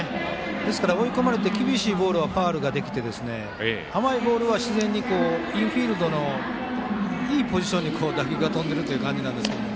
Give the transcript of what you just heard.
ですから、追い込まれて厳しいボールはファウルができて甘いボールは自然にインフィールドのいいポジションに打球が飛んでいるという感じなんですが。